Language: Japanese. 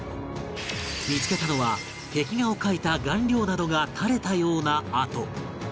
見付けたのは壁画を描いた顔料などが垂れたような跡